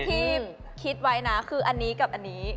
คิดไว้นะคืออันนี้กับอันนี้